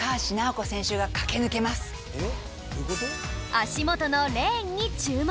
足元のレーンに注目